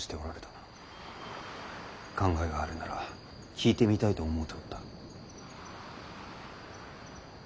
考えがあるなら聞いてみたいと思うておった。